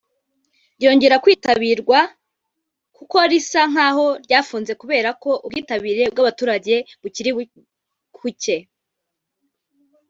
ryongera kwitabirwa kuko risa nk’aho ryafunze kubera ko ubwitabire bw’abaturage bukiri kucye